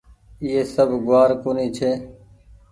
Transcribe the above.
ايئي سب گوآر ڪونيٚ ڇي